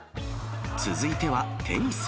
続いてはテニス。